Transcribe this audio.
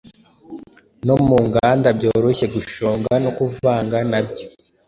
no mu nganda byoroshye gushonga no kuvanga nabyo